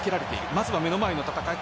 まずは目の前の戦い